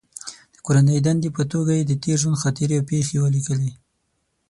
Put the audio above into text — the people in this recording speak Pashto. د کورنۍ دندې په توګه یې د تېر ژوند خاطرې او پېښې ولیکلې.